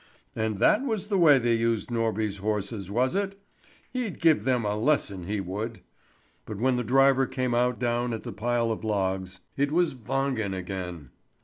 And that was the way they used Norby's horses, was it? He'd give them a lesson, he would! But when the driver came out down at the pile of logs, it was Wangen again!